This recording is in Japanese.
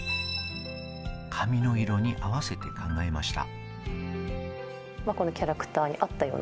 髪の色に合わせて考えました。